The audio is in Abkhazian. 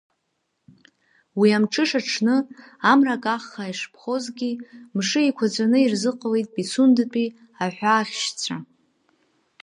Уи амҽыша мшы, амра каххаа ишыԥхозгьы, мшы еиқәаҵәаны ирзыҟалеит Пицундатәи аҳәаахьшьцәа.